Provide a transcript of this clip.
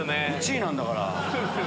１位なんだから。